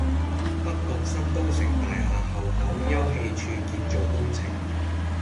北角新都城大廈後巷休憩處建造工程